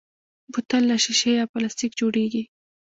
بوتل له شیشې یا پلاستیک جوړېږي.